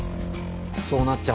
そうなっちゃう。